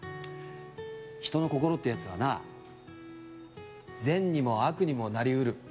人の心ってやつはな善にも悪にもなり得る。